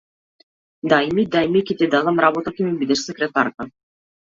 Дај ми, дај ми, ќе ти дадам работа, ќе ми бидеш секретарка!